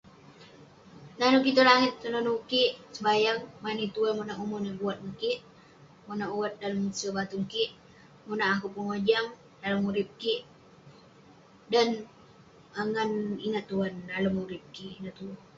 Nanouk kik tong langit tenonu kik, sebayang, mani Tuan monak umon yah buat ngan kik, monak wat dalem use batung kik, monak akouk pengojam dalem urip kik, dan- ngan ingat Tuan dalem urip kik. Ineh tue.